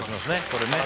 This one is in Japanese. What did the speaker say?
これね腹